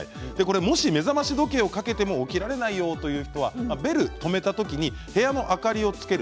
もし目覚まし時計をかけても起きられないよという方はベルを止めた時に部屋の明かりをつける。